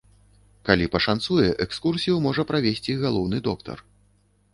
Калі пашанцуе, экскурсію можа правесці галоўны доктар.